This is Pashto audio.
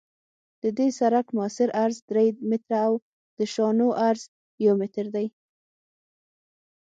د دې سرک مؤثر عرض درې متره او د شانو عرض یو متر دی